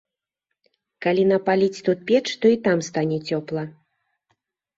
Калі напаліць тут печ, то і там стане цёпла.